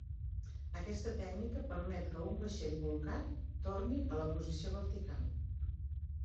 Aquesta tècnica permet que un vaixell bolcat torni a la posició vertical.